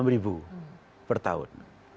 delapan puluh enam ribu per tahun